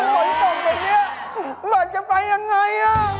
เบิร์ตจะไปยังไง